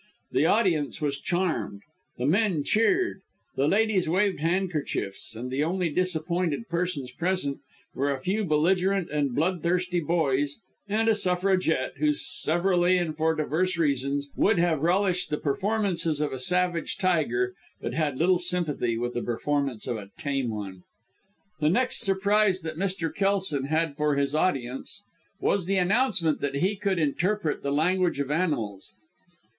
The audience was charmed the men cheered, the ladies waved handkerchiefs, and the only disappointed persons present were a few belligerent and bloodthirsty boys, and a Suffragette, who severally, and for diverse reasons, would have relished the performances of a savage tiger, but had little sympathy with the performance of a tame one. The next surprise that Mr. Kelson had for his audience, was the announcement that he could interpret the language of animals.